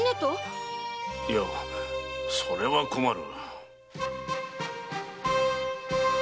いやそれは困る。